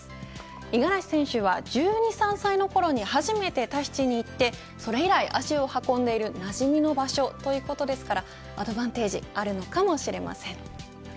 五十嵐選手は１２、３歳のころに初めてタヒチに行ってそれ以来、足を運んでいるなじみの場所ということですからアドバンテージあるのかもしれません。